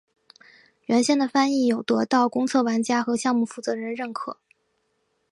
原先的翻译有得到公测玩家和项目负责人认可。